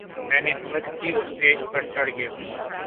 میں نے ہمت کی اور سٹیج پر چڑھ گیا